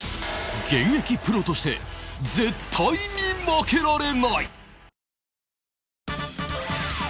現役プロとして絶対に負けられない！